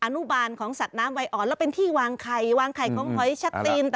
อนุบาลของสัตว์น้ำวัยอ่อนแล้วเป็นที่วางไข่วางไข่ของหอยชัดเจน